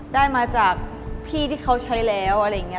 ได้มาจากพี่ที่เขาใช้แล้วอะไรอย่างนี้